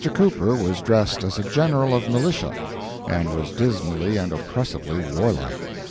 Cooper was dressed as a general of militia, and was dismally and oppressively warlike.